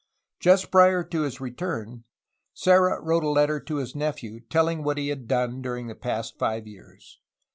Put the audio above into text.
Just prior to his return, Serra wrote a letter to his nephew, telling what he had done during the past five years.